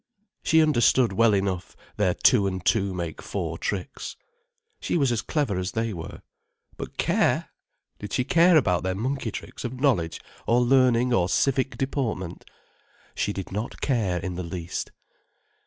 She understood well enough their two and two make four tricks. She was as clever as they were. But care!—did she care about their monkey tricks of knowledge or learning or civic deportment? She did not care in the least.